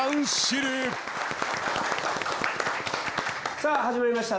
さあ始まりました